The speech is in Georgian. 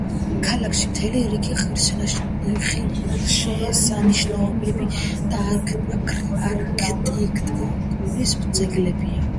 ქალაქში მთელი რიგი ღირსშესანიშნაობები და არქიტექტურის ძეგლებია.